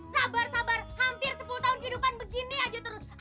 sabar sabar hampir sepuluh tahun kehidupan begini aja terus